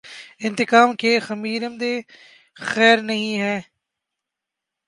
انتقام کے خمیر میںخیر نہیں ہے۔